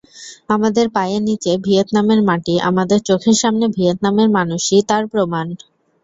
আমাদের পায়ের নিচে ভিয়েতনামের মাটি, আমাদের চোখের সামনে ভিয়েতনামের মানুষই তার প্রমাণ।